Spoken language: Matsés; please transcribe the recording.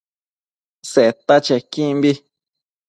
Seta chequimbi